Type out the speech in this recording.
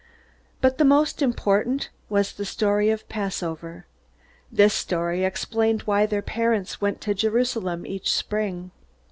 But the most important was the story of the Passover. This story explained why their parents went to Jerusalem each spring.